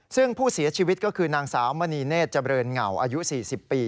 ซึ่งผู้เสียชีวิตก็คือนางสาวมณีเนธเจริญเหงาอายุ๔๐ปี